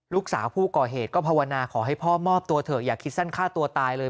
ลูกสาวผู้ก่อเหตุก็ภาวนาขอให้พ่อมอบตัวเถอะอย่าคิดสั้นฆ่าตัวตายเลย